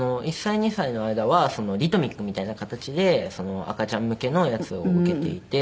１歳２歳の間はリトミックみたいな形で赤ちゃん向けのやつを受けていて。